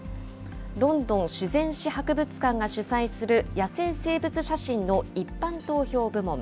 ロンドン自然史博物館が主催する野生生物写真の一般投票部門。